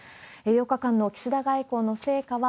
８日間の岸田外交の成果は。